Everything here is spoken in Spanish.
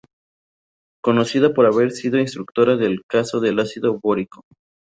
Conocida por haber sido instructora del "caso del ácido bórico".